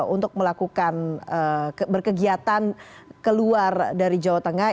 untuk melakukan berkegiatan keluar dari jawa tengah